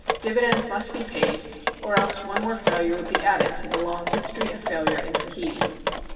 Dividends must be paid, or else one more failure would be added to the long history of failure in Tahiti.